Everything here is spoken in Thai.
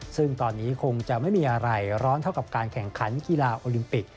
ซึ่งตอนนี้คงจะไม่มีอะไรร้อนเท่ากับการแข่งขันกีฬาโอลิมปิก